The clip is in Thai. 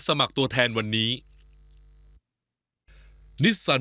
สามารถรับชมได้ทุกวัย